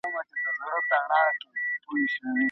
د کفارې احکام په بشپړه توګه تطبيق کړئ.